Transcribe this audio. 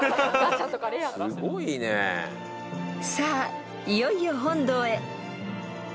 ［さあいよいよ本堂へ］